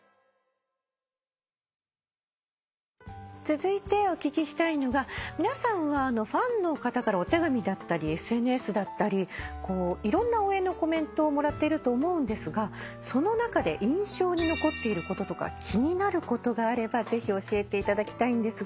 続いてお聞きしたいのが皆さんはファンの方からお手紙だったりＳＮＳだったりいろんな応援のコメントをもらっていると思うんですがその中で印象に残っていること気になることがあればぜひ教えていただきたいんですが。